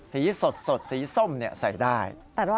สีสดสีส้มใส่ได้